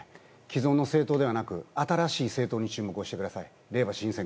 既存の政党ではなく新しい政党に注目してください。